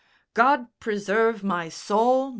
"God preserve my soul!